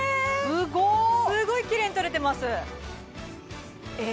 すごいきれいにとれてますえ？